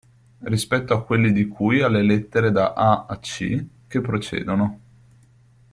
Rispetto a quelli di cui alle lettere da a) a c) che precedono.